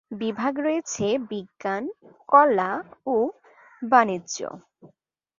বিভাগ রয়েছে: বিজ্ঞান, কলা ও বাণিজ্য।